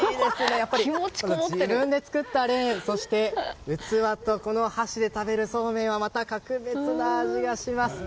やっぱり、自分で作ったレーンそして、器とこの箸で食べるそうめんはまた格別な味がします。